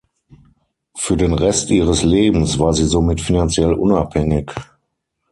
Für den Rest ihres Lebens war sie somit finanziell unabhängig.